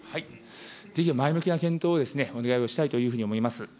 ぜひ前向きな検討をお願いをしたいというふうに思います。